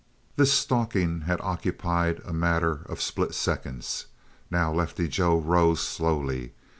This stalking had occupied a matter of split seconds. Now Lefty Joe rose slowly.